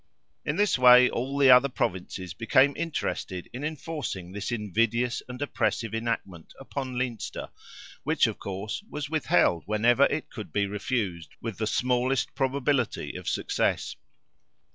In this way all the other Provinces became interested in enforcing this invidious and oppressive enactment upon Leinster which, of course, was withheld whenever it could be refused with the smallest probability of success.